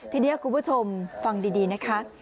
ทีนี้คุณผู้ชมฟังดีนะคะ